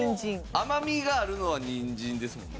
甘みがあるのはにんじんですもんね。